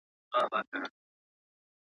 همدا ښارونه، دا کیسې او دا نیکونه به وي.